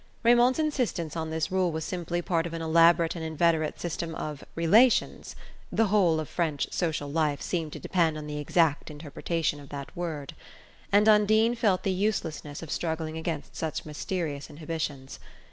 Raymond's insistence on this rule was simply part of an elaborate and inveterate system of "relations" (the whole of French social life seemed to depend on the exact interpretation of that word), and Undine felt the uselessness of struggling against such mysterious inhibitions.